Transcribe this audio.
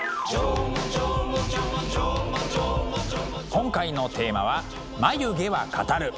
今回のテーマは「眉毛は語る」。